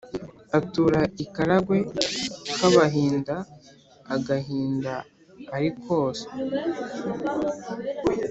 atura ikaragwe kabahinda agahinda arikose